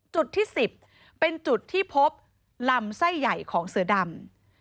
จุดที่๑๐เป็นจุดที่พบลำไส้ใหญ่ของเสือดำ